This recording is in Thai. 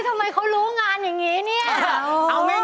ทำไมเขารู้งานอย่างนี้เนี่ย